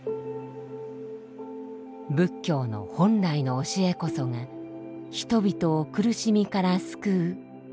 仏教の本来の教えこそが人々を苦しみから救う。